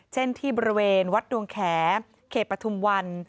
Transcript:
เช่นที่บริเวณวัดดวงแขเขตปฐุมวัน